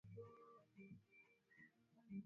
Baba yangu anauza mashamba ya munene